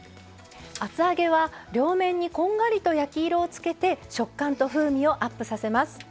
厚揚げは両面にこんがりと焼き色をつけて食感と風味をアップさせます。